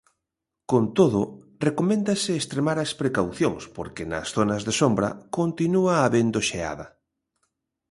Con todo, recoméndase extremar as precaucións porque nas zonas de sombra continúa habendo xeada.